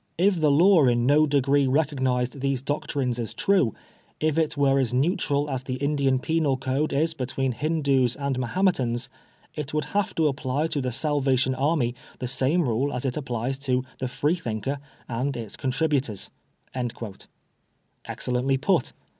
If the law in no degree recognised these doctrines as true, if it were as neutral as the Indian Penal Code is between Hindoos and Mohametans, it would have to apply to the Salvation Army the same rule as it applies to the Freethinker and its contributors." Excellently put.